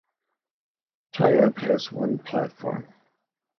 Tyabb has one platform.